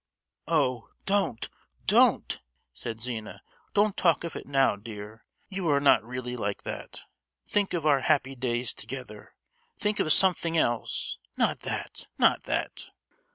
"Oh, don't! don't!" said Zina, "don't talk of it now, dear! you are not really like that. Think of our happy days together, think of something else—not that, not that!"